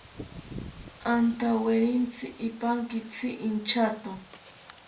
Antawerintzi ipankitzi inchato